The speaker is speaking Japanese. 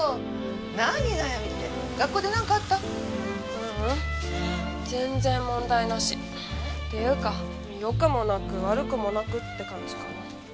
ううん全然問題なし。っていうかよくもなく悪くもなくって感じかな。